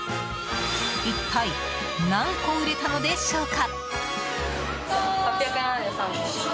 一体、何個売れたのでしょうか？